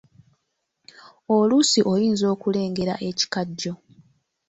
Oluusi oyinza okulengera ekikajjo.